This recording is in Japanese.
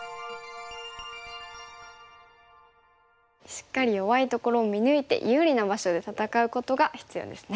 しっかり弱いところを見抜いて有利な場所で戦うことが必要ですね。